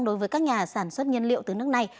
đối với các nhà sản xuất nhiên liệu từ nước này